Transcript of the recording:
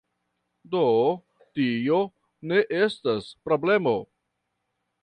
Do, tio ne estas problemo